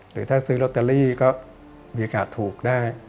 หรือถ้าซื้อลอตเตอรี่ก็มีโอกาสถูกได้